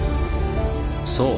そう！